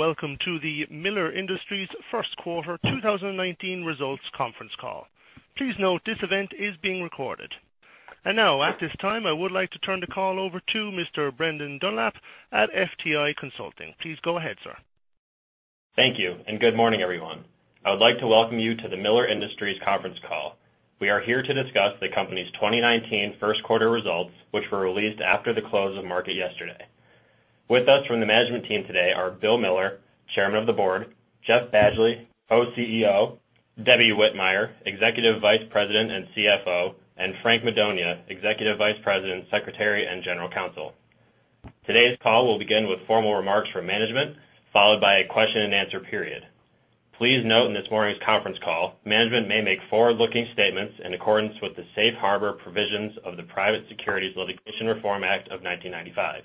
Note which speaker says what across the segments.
Speaker 1: Welcome to the Miller Industries first quarter 2019 results conference call. Please note this event is being recorded. At this time, I would like to turn the call over to Mr. Brendan Dunlap at FTI Consulting. Please go ahead, sir.
Speaker 2: Thank you. Good morning, everyone. I would like to welcome you to the Miller Industries conference call. We are here to discuss the company's 2019 first quarter results, which were released after the close of market yesterday. With us from the management team today are Bill Miller, Chairman of the Board, Jeff Badgley, Co-CEO, Debbie Whitmire, Executive Vice President and CFO, and Frank Madonia, Executive Vice President, Secretary, and General Counsel. Today's call will begin with formal remarks from management, followed by a question and answer period. Please note, in this morning's conference call, management may make forward-looking statements in accordance with the safe harbor provisions of the Private Securities Litigation Reform Act of 1995.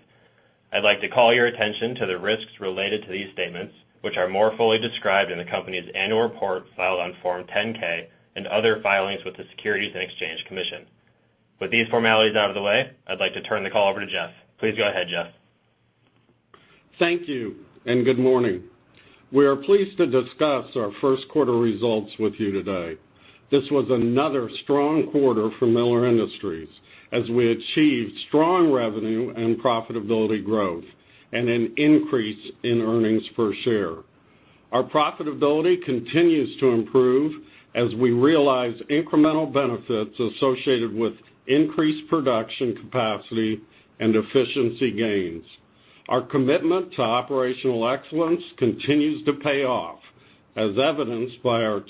Speaker 2: I'd like to call your attention to the risks related to these statements, which are more fully described in the company's annual report filed on Form 10-K and other filings with the Securities and Exchange Commission. With these formalities out of the way, I'd like to turn the call over to Jeff. Please go ahead, Jeff.
Speaker 3: Thank you. Good morning. We are pleased to discuss our first quarter results with you today. This was another strong quarter for Miller Industries as we achieved strong revenue and profitability growth and an increase in earnings per share. Our profitability continues to improve as we realize incremental benefits associated with increased production capacity and efficiency gains. Our commitment to operational excellence continues to pay off, as evidenced by our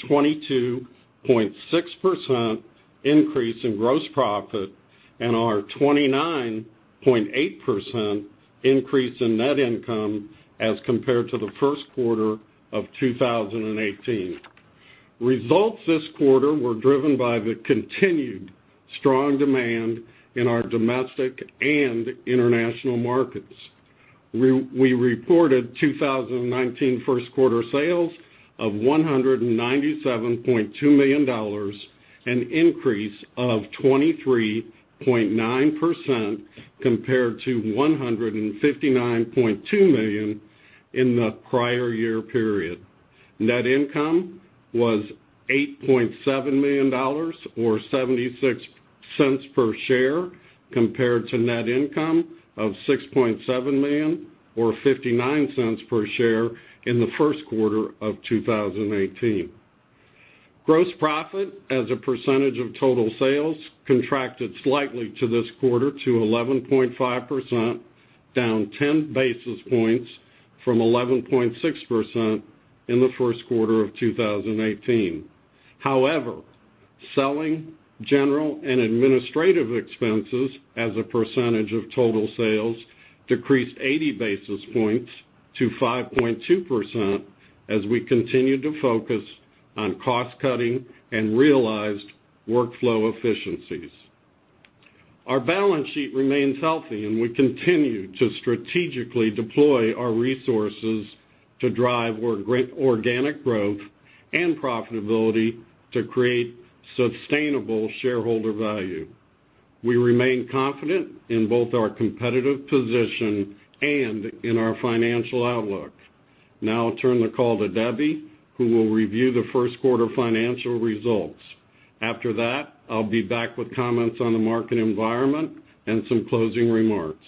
Speaker 3: 22.6% increase in gross profit and our 29.8% increase in net income as compared to the first quarter of 2018. Results this quarter were driven by the continued strong demand in our domestic and international markets. We reported 2019 first quarter sales of $197.2 million, an increase of 23.9% compared to $159.2 million in the prior year period. Net income was $8.7 million, or $0.76 per share, compared to net income of $6.7 million, or $0.59 per share in the first quarter of 2018. Gross profit as a percentage of total sales contracted slightly to this quarter to 11.5%, down 10 basis points from 11.6% in the first quarter of 2018. However, selling, general, and administrative expenses as a percentage of total sales decreased 80 basis points to 5.2% as we continued to focus on cost-cutting and realized workflow efficiencies. Our balance sheet remains healthy, and we continue to strategically deploy our resources to drive organic growth and profitability to create sustainable shareholder value. We remain confident in both our competitive position and in our financial outlook. I'll turn the call to Debbie, who will review the first quarter financial results. After that, I'll be back with comments on the market environment and some closing remarks.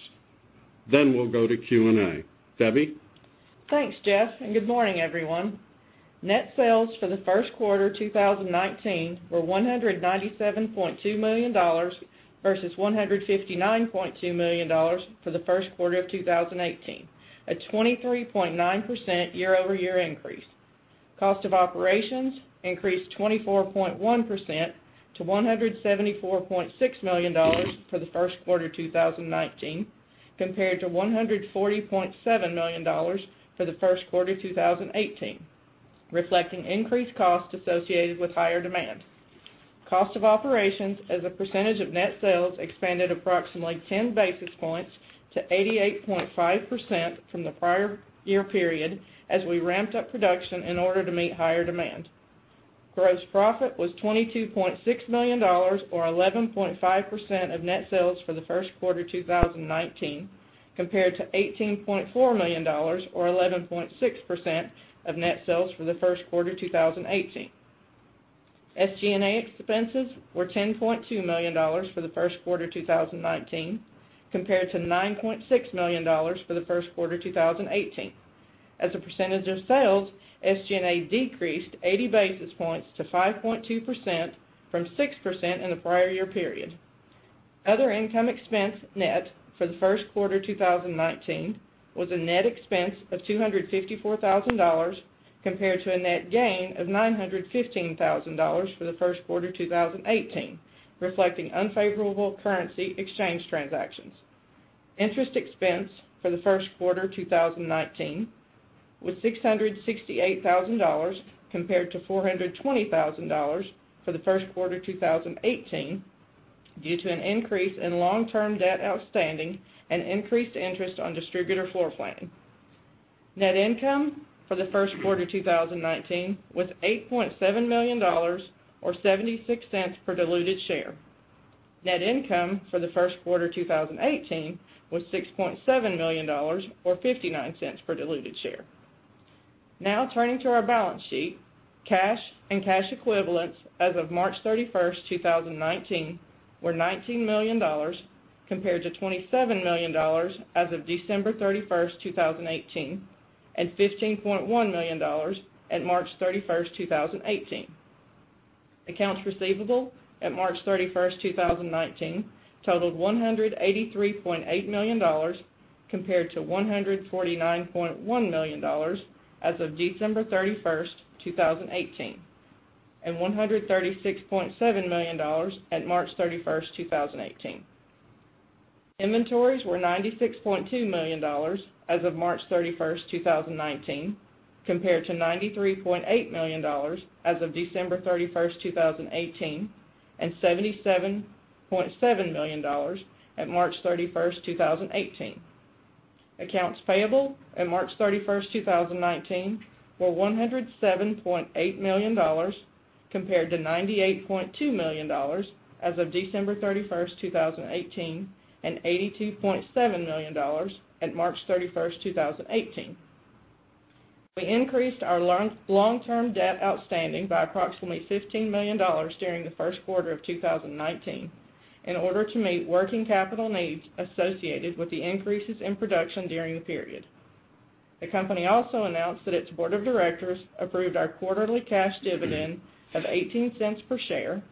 Speaker 3: We'll go to Q&A. Debbie?
Speaker 4: Thanks, Jeff. Good morning, everyone. Net sales for the first quarter 2019 were $197.2 million versus $159.2 million for the first quarter of 2018, a 23.9% year-over-year increase. Cost of operations increased 24.1% to $174.6 million for the first quarter 2019, compared to $140.7 million for the first quarter 2018, reflecting increased costs associated with higher demand. Cost of operations as a percentage of net sales expanded approximately 10 basis points to 88.5% from the prior year period as we ramped up production in order to meet higher demand. Gross profit was $22.6 million, or 11.5% of net sales for the first quarter 2019, compared to $18.4 million, or 11.6% of net sales for the first quarter 2018. SG&A expenses were $10.2 million for the first quarter 2019, compared to $9.6 million for the first quarter 2018. As a percentage of sales, SG&A decreased 80 basis points to 5.2% from 6% in the prior year period. Other income expense net for the first quarter 2019 was a net expense of $254,000 compared to a net gain of $915,000 for the first quarter 2018, reflecting unfavorable currency exchange transactions. Interest expense for the first quarter 2019 was $668,000 compared to $420,000 for the first quarter 2018 due to an increase in long-term debt outstanding and increased interest on distributor floor planning. Net income for the first quarter 2019 was $8.7 million or $0.76 per diluted share. Net income for the first quarter 2018 was $6.7 million, or $0.59 per diluted share. Turning to our balance sheet. Cash and cash equivalents as of March 31st, 2019, were $19 million, compared to $27 million as of December 31st, 2018, and $15.1 million at March 31st, 2018. Accounts receivable at March 31st, 2019, totaled $183.8 million, compared to $149.1 million as of December 31st, 2018, and $136.7 million at March 31st, 2018. Inventories were $96.2 million as of March 31st, 2019, compared to $93.8 million as of December 31st, 2018, and $77.7 million at March 31st, 2018. Accounts payable at March 31st, 2019, were $107.8 million, compared to $98.2 million as of December 31st, 2018, and $82.7 million at March 31st, 2018. We increased our long-term debt outstanding by approximately $15 million during the first quarter of 2019 in order to meet working capital needs associated with the increases in production during the period. The company also announced that its board of directors approved our quarterly cash dividend of $0.18 per share,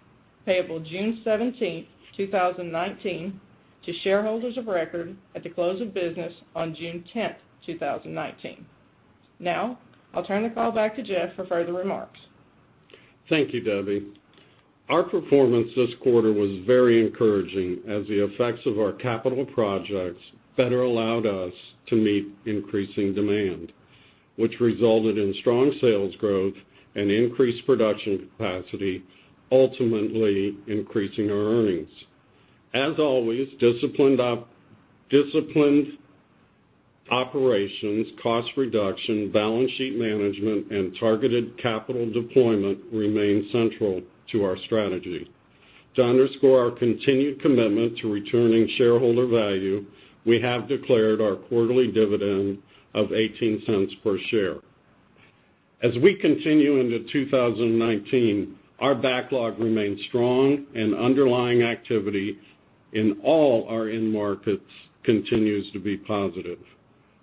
Speaker 4: payable June 17th, 2019, to shareholders of record at the close of business on June 10th, 2019. I'll turn the call back to Jeff for further remarks.
Speaker 3: Thank you, Debbie. Our performance this quarter was very encouraging as the effects of our capital projects better allowed us to meet increasing demand, which resulted in strong sales growth and increased production capacity, ultimately increasing our earnings. As always, disciplined operations, cost reduction, balance sheet management, and targeted capital deployment remain central to our strategy. To underscore our continued commitment to returning shareholder value, we have declared our quarterly dividend of $0.18 per share. As we continue into 2019, our backlog remains strong and underlying activity in all our end markets continues to be positive.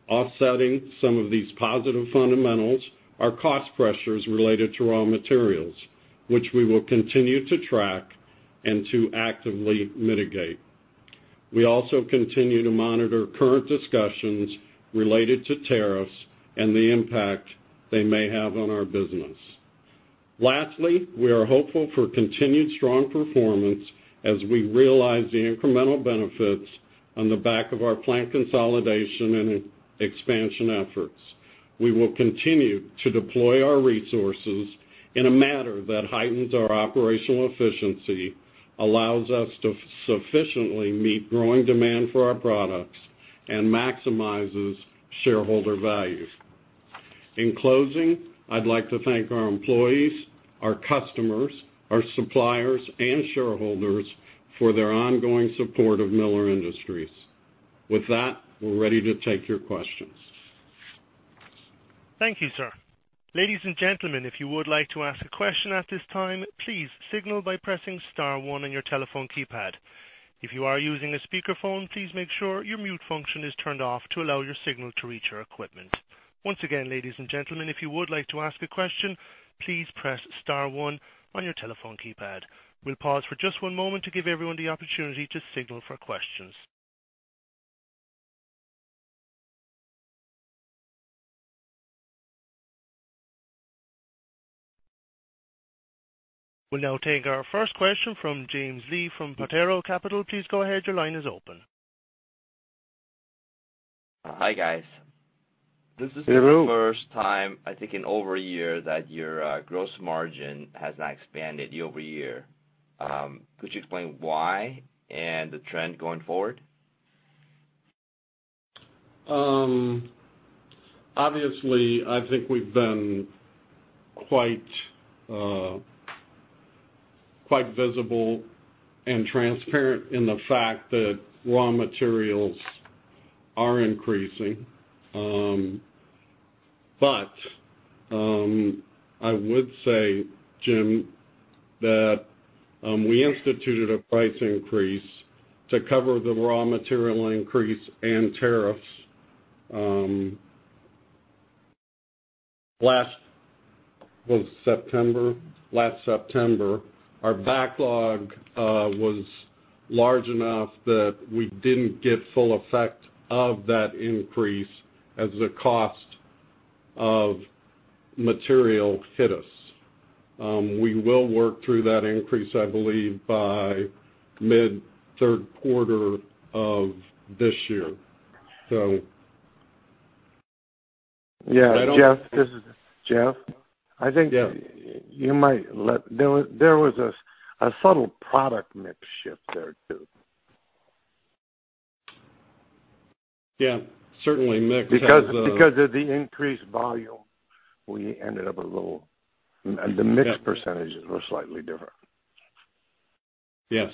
Speaker 3: Offsetting some of these positive fundamentals are cost pressures related to raw materials, which we will continue to track and to actively mitigate. We also continue to monitor current discussions related to tariffs and the impact they may have on our business. We are hopeful for continued strong performance as we realize the incremental benefits on the back of our plant consolidation and expansion efforts. We will continue to deploy our resources in a manner that heightens our operational efficiency, allows us to sufficiently meet growing demand for our products, and maximizes shareholder value. In closing, I'd like to thank our employees, our customers, our suppliers, and shareholders for their ongoing support of Miller Industries. We're ready to take your questions.
Speaker 1: Thank you, sir. Ladies and gentlemen, if you would like to ask a question at this time, please signal by pressing *1 on your telephone keypad. If you are using a speakerphone, please make sure your mute function is turned off to allow your signal to reach our equipment. Once again, ladies and gentlemen, if you would like to ask a question, please press *1 on your telephone keypad. We'll pause for just one moment to give everyone the opportunity to signal for questions. We'll now take our first question from James Lee from Potrero Capital. Please go ahead, your line is open.
Speaker 5: Hi, guys.
Speaker 3: Hey, Roo.
Speaker 5: This is the first time, I think, in over a year that your gross margin has not expanded year-over-year. Could you explain why and the trend going forward?
Speaker 3: I think we've been quite visible and transparent in the fact that raw materials are increasing. I would say, Jim, that we instituted a price increase to cover the raw material increase and tariffs. Last, was September? Last September. Our backlog was large enough that we didn't get full effect of that increase as the cost of material hit us. We will work through that increase, I believe, by mid-third quarter of this year. Yeah. Jeff, this is Jeff. Yeah. I think you might There was a subtle product mix shift there, too. Yeah, certainly mix has.
Speaker 6: Because of the increased volume, the mix % were slightly different.
Speaker 3: Yes.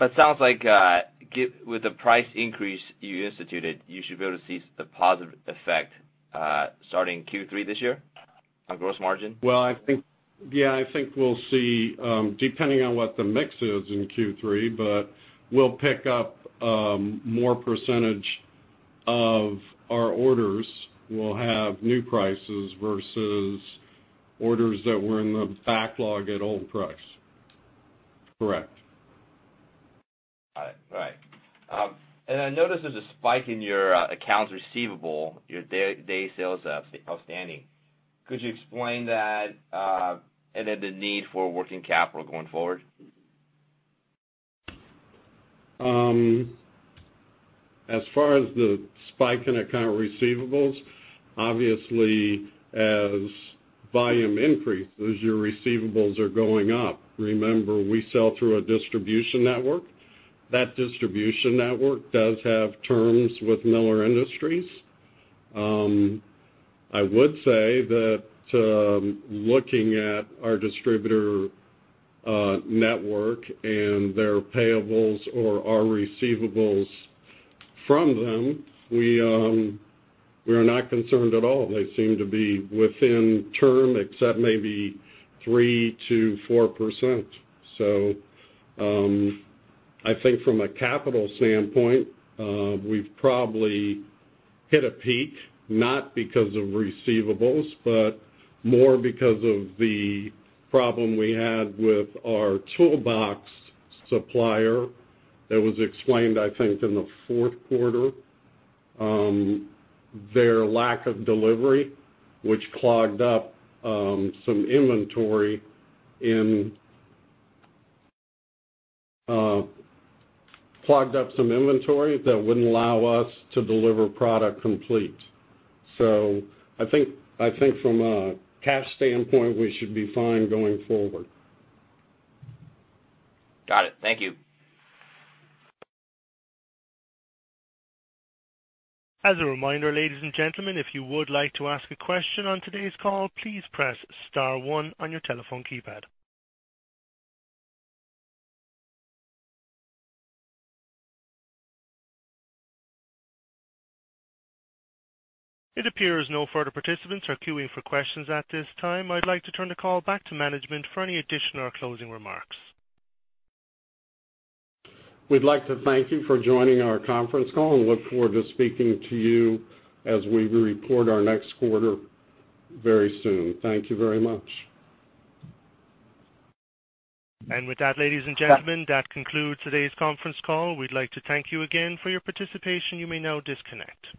Speaker 5: That sounds like with the price increase you instituted, you should be able to see the positive effect starting Q3 this year on gross margin?
Speaker 3: Well, I think we'll see, depending on what the mix is in Q3, but we'll pick up more % of our orders will have new prices versus orders that were in the backlog at old price. Correct.
Speaker 5: All right. I noticed there's a spike in your accounts receivable, your day sales outstanding. Could you explain that, and then the need for working capital going forward?
Speaker 3: As far as the spike in accounts receivable, obviously, as volume increases, your receivables are going up. Remember, we sell through a distribution network. That distribution network does have terms with Miller Industries. I would say that looking at our distributor network and their payables or our receivables from them, we are not concerned at all. They seem to be within term except maybe 3%-4%. I think from a capital standpoint, we've probably hit a peak, not because of receivables, but more because of the problem we had with our toolbox supplier that was explained, I think, in the fourth quarter. Their lack of delivery, which clogged up some inventory that wouldn't allow us to deliver product complete. I think from a cash standpoint, we should be fine going forward.
Speaker 5: Got it. Thank you.
Speaker 1: As a reminder, ladies and gentlemen, if you would like to ask a question on today's call, please press star one on your telephone keypad. It appears no further participants are queuing for questions at this time. I'd like to turn the call back to management for any additional or closing remarks.
Speaker 3: We'd like to thank you for joining our conference call and look forward to speaking to you as we report our next quarter very soon. Thank you very much.
Speaker 1: With that, ladies and gentlemen, that concludes today's conference call. We'd like to thank you again for your participation. You may now disconnect.